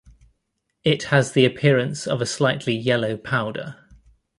It has the appearance of a slightly yellow powder.